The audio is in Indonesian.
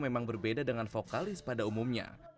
memang berbeda dengan vokalis pada umumnya